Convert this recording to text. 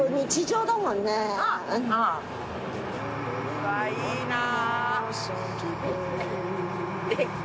うわいいなぁ。